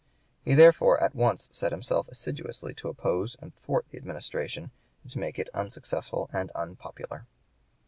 He therefore at once set himself assiduously to oppose and thwart the administration, and to make it unsuccessful and unpopular.